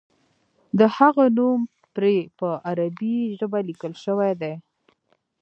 د هغه نوم پرې په عربي ژبه لیکل شوی دی.